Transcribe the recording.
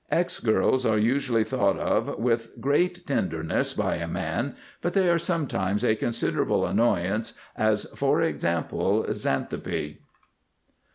] X girls are usually thought of with great tenderness by a man, but they are sometimes a considerable annoyance, as, for example, Xanthippe.